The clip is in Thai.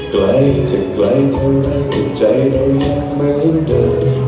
ใกล้เธอใกล้เธอใกล้เธอใจเราอยากมาให้เดิน